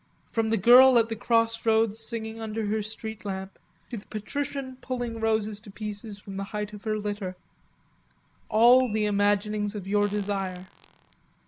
"From the girl at the cross roads singing under her street lamp to the patrician pulling roses to pieces from the height of her litter....All the imaginings of your desire...."